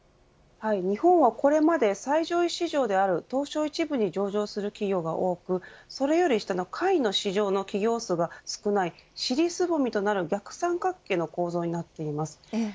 日本はこれまで最上位市場である東証１部に上場する企業が多くそれより下の下位の市場の企業数が少ない尻すぼみとなる逆三角形の構造になっています。